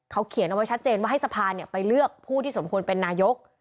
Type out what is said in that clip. เขาเขียนเอาไว้ชัดเจนว่าให้สภาไปเลือกผู้ที่สมควรเป็นนายก